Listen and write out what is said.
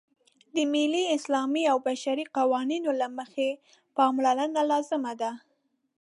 د ملي، اسلامي او بشري قوانینو له مخې پاملرنه لازمه ده.